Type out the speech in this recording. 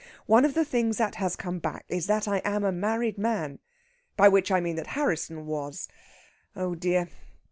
One of the things that has come back is that I am a married man by which I mean that Harrisson was. Oh dear!